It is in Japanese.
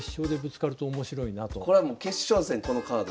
これはもう決勝戦このカード。